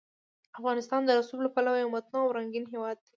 افغانستان د رسوب له پلوه یو متنوع او رنګین هېواد دی.